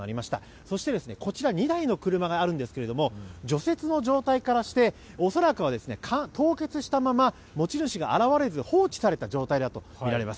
そして、こちら２台の車があるんですが除雪の状態からして恐らくは凍結したまま持ち主が現れず放置された状態だと思われます。